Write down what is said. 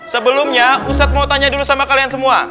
sebelumnya ustadz mau tanya dulu sama kalian semua